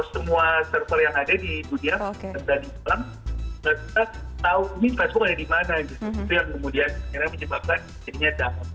sehingga menyebabkan jadinya jam